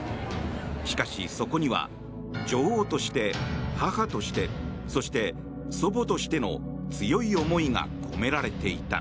しかし、そこには女王として、母としてそして、祖母としての強い思いが込められていた。